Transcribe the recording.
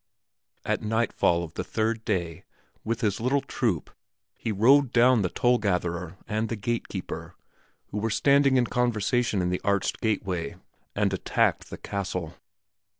At night fall of the third day, with this little troop he rode down the toll gatherer and the gate keeper who were standing in conversation in the arched gateway, and attacked the castle.